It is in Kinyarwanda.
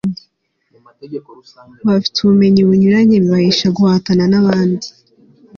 bafite ubumenyi bunyuranye bibahesha guhatana n'abandi